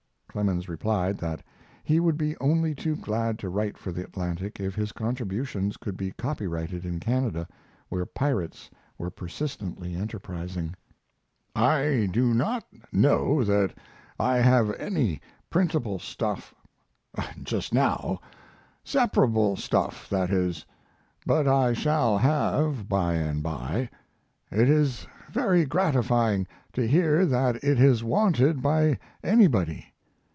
Clemens replied that he would be only too glad to write for the Atlantic if his contributions could be copyrighted in Canada, where pirates were persistently enterprising. I do not know that I have any printable stuff just now separatable stuff, that is but I shall have by and by. It is very gratifying to hear that it is wanted by anybody.